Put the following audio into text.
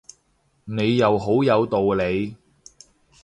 你又好有道理